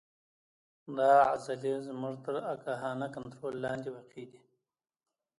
دا عضلې زموږ تر آګاهانه کنترول لاندې واقع دي.